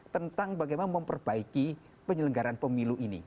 tentang bagaimana memperbaiki penyelenggaraan pemilu ini